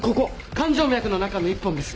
肝静脈の中の１本です。